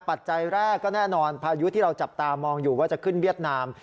ปัจจัยแรกก็แน่นอนพายุที่เราจับตามองอยู่ว่าจะขึ้นเวียดนาม